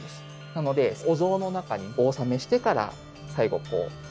なのでお像の中にお納めしてから最後こうくっつける。